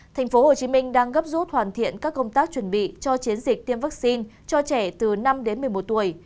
thành phố hồ chí minh đang gấp rút hoàn thiện các công tác chuẩn bị cho chiến dịch tiêm vaccine cho trẻ từ năm đến một mươi một tuổi